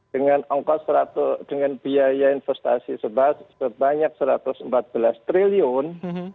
dengan ongkos dengan biaya investasi sebanyak rp satu ratus empat belas triliun